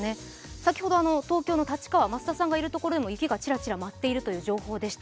先ほど東京の立川、増田さんがいるところでもちらちら雪が舞っているという情報でした。